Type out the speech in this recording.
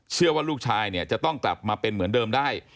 เชื่อว่าลูกชายเนี่ยจะต้องกลับมาเป็นเหมือนเดิมได้